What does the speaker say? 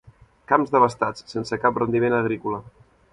Camps devastats, sense cap rendiment agrícola.